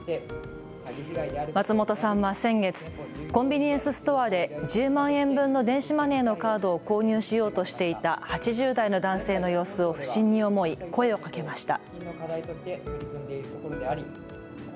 松本さんは先月、コンビニエンスストアで１０万円分の電子マネーのカードを購入しようとしていた８０代の男性の様子を不審に思い声をかけました。